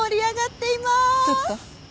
ちょっと。